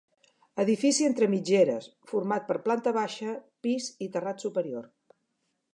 Edifici entre mitgeres, format per planta baixa, pis i terrat superior.